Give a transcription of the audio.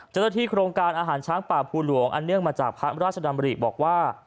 เจ้าหน้าที่โครงการอาหารช้างป่าภูหลวงอันเนื่องมาจากพระราชดำริบอกว่า